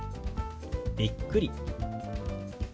「びっくり」。